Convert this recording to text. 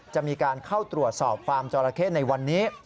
จะมีการเข้าตรวจสอบฟาร์มจอราเข้ในวันนี้